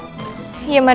terima kasih sudah nonton